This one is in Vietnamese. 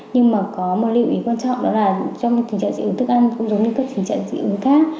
nhưng mà có một lưu ý quan trọng đó là trong tình trạng dị ứng thức ăn cũng giống như các tình trạng dị ứng khác